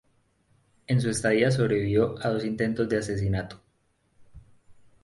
En su estadía sobrevivió a dos intentos de asesinato.